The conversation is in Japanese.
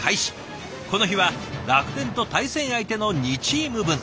この日は楽天と対戦相手の２チーム分。